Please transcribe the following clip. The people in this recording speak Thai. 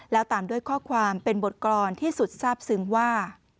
แล้วตามด้วยข้อความเป็นบทกรอนที่สุดทราบซึ้งว่า